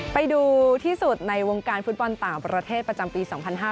ไปดูที่สุดในวงการฟุตบอลต่างประเทศประจำปี๒๕๕๙